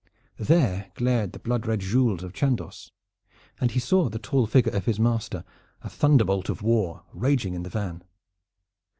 There glared the blood red gules of Chandos, and he saw the tall figure of his master, a thunderbolt of war, raging in the van.